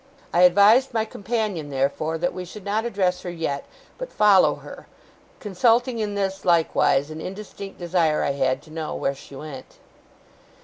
I advised my companion, therefore, that we should not address her yet, but follow her; consulting in this, likewise, an indistinct desire I had, to know where she went.